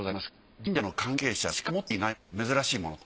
神社の関係者しか持っていない珍しいものと。